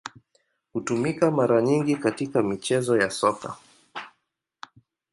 Hutumika mara nyingi katika michezo ya Soka.